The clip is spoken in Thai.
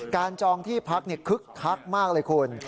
จองที่พักคึกคักมากเลยคุณ